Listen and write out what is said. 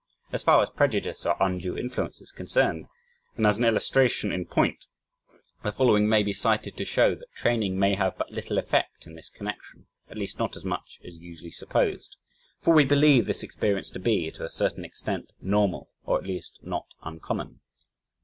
As far as prejudice or undue influence is concerned, and as an illustration in point, the following may be cited to show that training may have but little effect in this connection, at least not as much as usually supposed for we believe this experience to be, to a certain extent, normal, or at least, not uncommon.